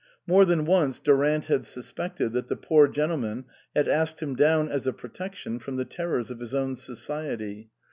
More than once Durant had suspected that the poor gentleman had asked him down as a protection from the terrors of his own society.